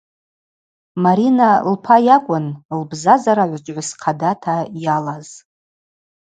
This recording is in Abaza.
Марина лпа йакӏвын лбзазара гӏвычӏвгӏвыс хъадата йалаз.